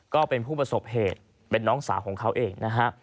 ก็เป็นผู้ประสบเหตุเป็นน้องสาวของเขาเองนะฮะ